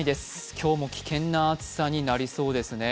今日も危険な暑さになりそうですね。